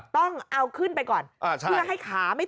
ต้องเอาขึ้นไปก่อนเพื่อให้ขาไม่